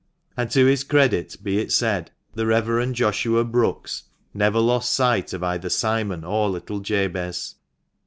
And, to his credit be it said, the Rev. Joshua Brookes never lost sight of either Simon or little Jabez.